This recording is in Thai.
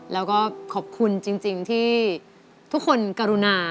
แล้วก็ขอบคุณจริงที่ทุกคนกรุณา